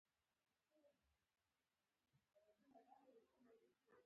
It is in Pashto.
هغه توکي چې کارګران یې تولیدوي هم د دوی ملکیت دی